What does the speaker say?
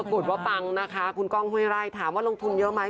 ปรากฏว่าปังนะคะคุณก้องห้วยไร่ถามว่าลงทุนเยอะไหม